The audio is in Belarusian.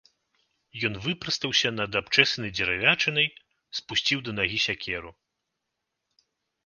Ён выпрастаўся над абчэсанай дзеравячынай, спусціў да нагі сякеру.